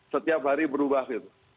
setiap hari berubah